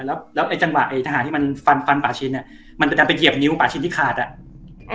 แล้วแล้วไอ้จังหวะไอ้ทหารที่มันฟันฟันป่าชินอ่ะมันจะดันไปเหยียบนิ้วป่าชินที่ขาดอ่ะ